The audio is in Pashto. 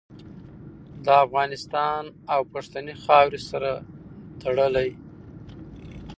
د افغانستان او پښتنې خاورې سره تړلې